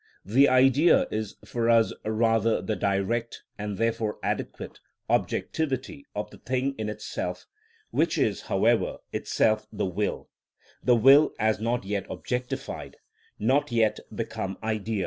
The Idea is for us rather the direct, and therefore adequate, objectivity of the thing in itself, which is, however, itself the will—the will as not yet objectified, not yet become idea.